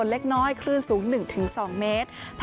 สวัสดีค่ะพบกับช่วงนี้สวัสดีค่ะ